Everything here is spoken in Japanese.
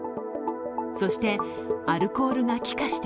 そしてアルコールが気化して